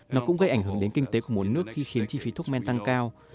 nó cũng gây ảnh hưởng đến kinh tế của một nước khi khiến chi phí thuốc men tăng cao